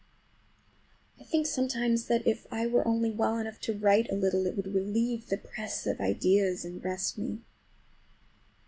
I think sometimes that if I were only well enough to write a little it would relieve the press of ideas and rest me.